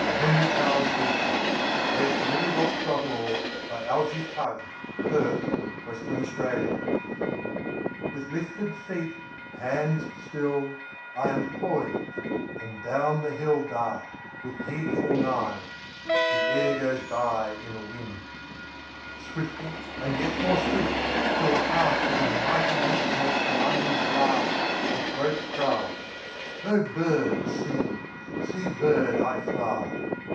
Henry Charles Beeching. 1859–1919 856. Going down Hill on a Bicycle A BOY'S SONG WITH lifted feet, hands still, I am poised, and down the hill Dart, with heedful mind; The air goes by in a wind. Swifter and yet more swift, 5 Till the heart with a mighty lift Makes the lungs laugh, the throat cry:— 'O bird, see; see, bird, I fly.